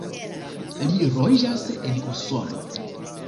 Li loĝas en Usono.